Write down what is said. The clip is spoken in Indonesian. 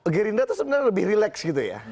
gerindra itu sebenarnya lebih relax gitu ya